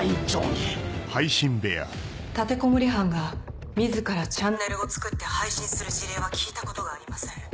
立てこもり犯が自らチャンネルを作って配信する事例は聞いたことがありません。